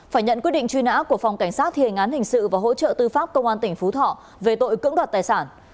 phải nhận quyết định truy nã của phòng cảnh sát thiền án hình sự và hỗ trợ tư pháp công an tỉnh phú thọ về tội cưỡng đoạt tài sản